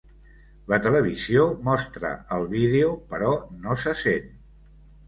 La televisió mostra el vídeo però no se sent.